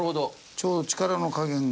ちょうど力の加減が。